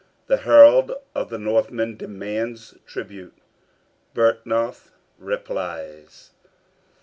The herald of the Northmen demands tribute. Byrhtnoth replies.